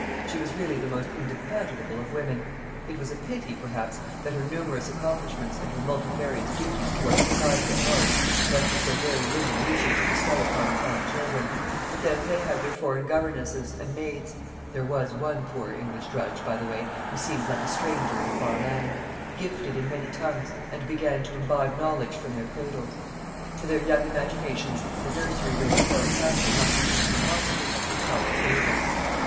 She was really the most indefatigable of women. It was a pity, perhaps, that her numerous accomplishments and her multifarious duties towards society at large left her so very little leisure to bestow upon her own children; but then, they had their foreign governesses, and maids there was one poor English drudge, by the way, who seemed like a stranger in a far land gifted in many tongues, and began to imbibe knowledge from their cradles. To their young imaginations the nursery wing of Hale Castle must have seemed remarkably like the Tower of Babel.